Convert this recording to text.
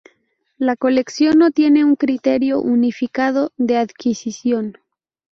La colección no tiene un criterio unificado de adquisición.